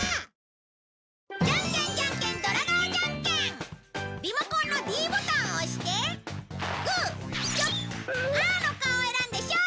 じゃんけんじゃんけんリモコンのｄボタンを押してグーチョキパーの顔を選んで勝負！